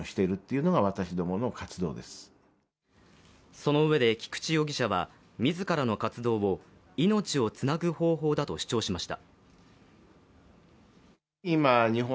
そのうえで菊池容疑者は自らの活動を命をつなぐ方法だと主張しました。